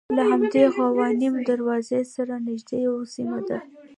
له همدې غوانمه دروازې سره نژدې یوه سیمه ده.